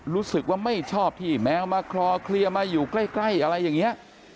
รู้สึกว่าไม่ชอบที่แมวมาคลอเคลียร์มาอยู่ใกล้อะไรอย่างนี้